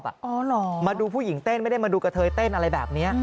อ๋อเหรอมาดูผู้หญิงเต้นไม่ได้มาดูกระเทยเต้นอะไรแบบนี้